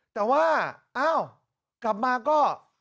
แต่ว่าอ้าวกลับมาก็